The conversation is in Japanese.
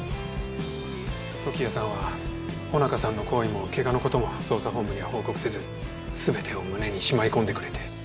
時矢さんは尾中さんの行為も怪我の事も捜査本部には報告せず全てを胸にしまい込んでくれて。